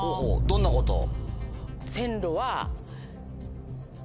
どんなことを？